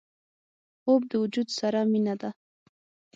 خوب د وجود سره مینه ده